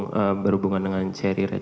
terhubung berhubungan dengan seri red